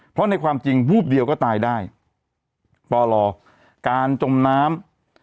เพราะในความจริงวูบเดียวก็ตายได้ปลการจมน้ำ